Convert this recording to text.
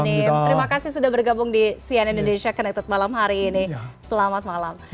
terima kasih sudah bergabung di cn indonesia connected malam hari ini selamat malam